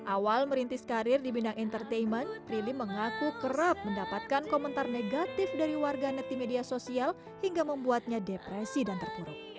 awal merintis karir di bidang entertainment prilly mengaku kerap mendapatkan komentar negatif dari warganet di media sosial hingga membuatnya depresi dan terpuruk